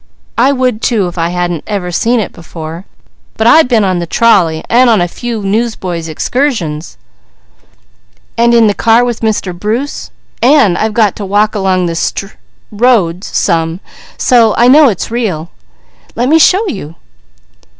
"I would too, if I hadn't ever seen it before. But I been on the trolley, and on a few newsboys' excursions, and in the car with Mr. Bruce, and I've got to walk along the str roads some, so I know it's real. Let me show you